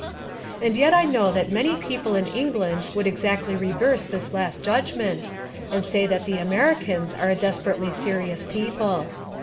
And yet I know that many people in England would exactly reverse this last judgment and say that the Americans are a desperately serious people.